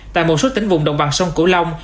tại một số tỉnh vùng đồng bằng sông cửu long